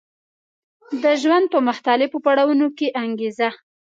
د ژوند په مختلفو پړاوونو کې انګېزه